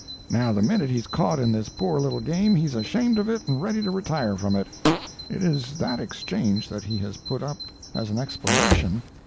Now the minute he's caught in this poor little game, he's ashamed of it and ready to retire from it. It is that exchange that he has put up as an explanation.